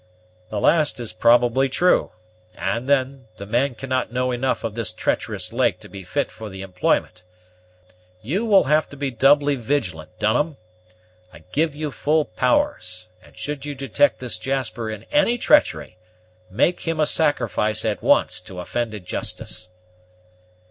"The last is probably true, and then, the man cannot know enough of this treacherous lake to be fit for the employment. You will have to be doubly vigilant, Dunham. I give you full powers; and should you detect this Jasper in any treachery, make him a sacrifice at once to offended justice."